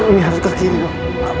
ini harus ke kiri dok